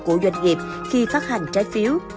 của doanh nghiệp khi phát hành trái phiếu